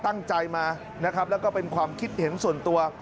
ตั้งใจมานะครับแล้วก็เป็นความคิดเห็นส่วนตัว